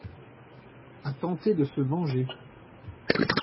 a tenté de se venger.